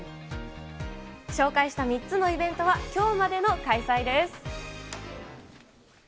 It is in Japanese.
紹介した３つのイベントはきょうまでの開催です。